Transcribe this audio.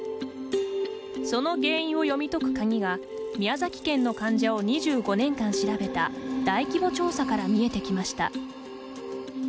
その原因を読み解く鍵が宮崎県の患者を２５年間調べた大規模調査から見えてきました。